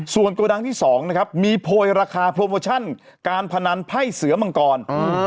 ส่วนโกดังที่๒นะครับมีโพยราคาโปรโมชั่นการพนันไพ่เสือมังกร